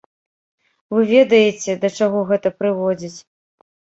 Вы ведаеце, да чаго гэта прыводзіць.